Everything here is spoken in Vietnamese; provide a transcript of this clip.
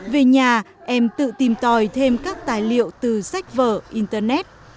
về nhà em tự tìm tòi thêm các tài liệu từ sách vở internet